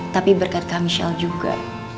tapi berkat kak michelle juga